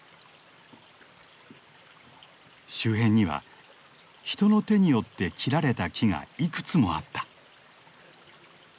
周辺には人の手によって切られた木がいくつもあった。